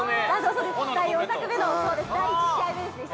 ◆そうです、第４作目の第１試合目ですね。